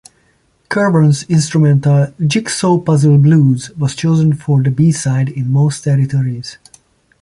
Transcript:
Kirwan's instrumental "Jigsaw Puzzle Blues" was chosen for the B-side in most territories.